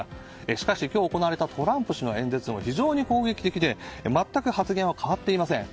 しかし今日行われたトランプ氏の演説も非常に攻撃的で全く発言は変わっていません。